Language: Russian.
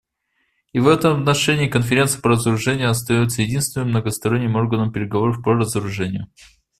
И в этом отношении Конференция по разоружению остается единственным многосторонним органом переговоров по разоружению.